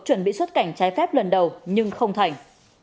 chuẩn bị xuất cảnh trái phép lần đầu nhưng không thành